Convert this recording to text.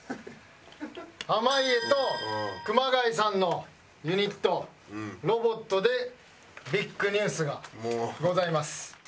濱家と熊谷さんのユニット『ロボット』でビッグニュースがございます。